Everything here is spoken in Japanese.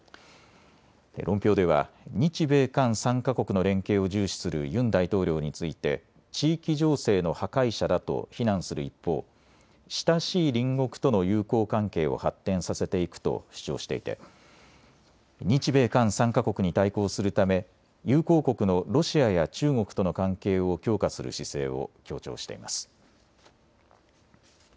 論評では日米韓３か国の連携を重視するユン大統領について地域情勢の破壊者だと非難する一方、親しい隣国との友好関係を発展させていくと主張していて日米韓３か国に対抗するため友好国のロシアや中国との関係を強化する姿勢を強調しています。